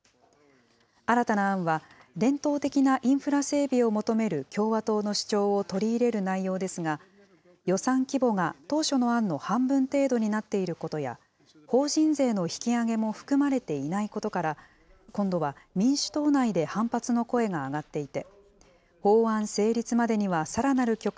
新たな案は、伝統的なインフラ整備を求める共和党の主張を取り入れる内容ですが、予算規模が当初の案の半分程度になっていることや、法人税の引き上げも含まれていないことから、今度は民主党内で反発の声が上がっていて、法案成立までには、次です。